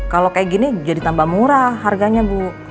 kalau kayak gini jadi tambah murah harganya bu